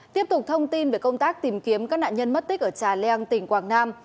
tiếp tục thông tin về công tác tìm kiếm các nạn nhân mất tích ở trà leng tỉnh quảng nam